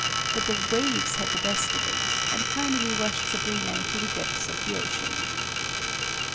But the waves had the best of it, and finally washed Sabrina into the depths of the ocean.